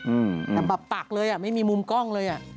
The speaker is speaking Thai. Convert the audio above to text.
อืมมันแบบปากเลยไม่มีมุมกล้องเลย